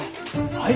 はい？